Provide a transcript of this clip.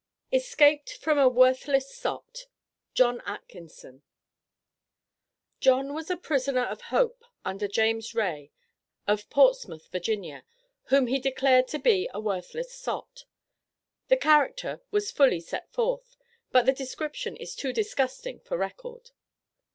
ESCAPED FROM "A WORTHLESS SOT." JOHN ATKINSON. John was a prisoner of hope under James Ray, of Portsmouth, Va., whom he declared to be "a worthless sot." This character was fully set forth, but the description is too disgusting for record.